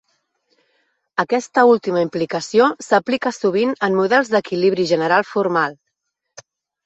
Aquesta última implicació s'aplica sovint en models d'equilibri general formal.